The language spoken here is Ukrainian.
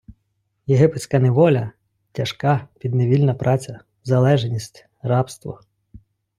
Єгипетська неволя - тяжка підневільна праця, залежність, рабство